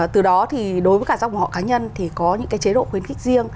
từ đó thì đối với cả dòng của họ cá nhân thì có những cái chế độ khuyến khích riêng